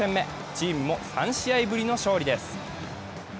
チームも３試合ぶりの勝利です。